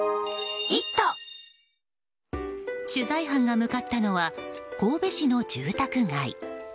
取材班が向かったのは神戸市の住宅街。